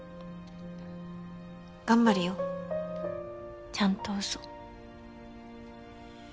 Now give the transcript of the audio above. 頑張るよちゃんとうそ。